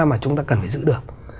mà chúng ta cần phải giữ được